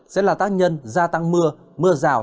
sẽ là tác nhân gia tăng mưa mưa rào